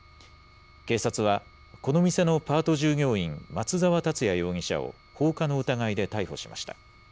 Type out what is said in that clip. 警察は、この店のパート従業員、松澤達也容疑者を放火の疑いで逮捕しました。